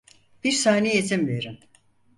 Bir saniye izin verin.